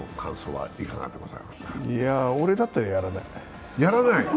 俺だったら、やらない。